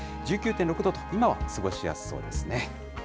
１９．６度と、今は過ごしやすそうですね。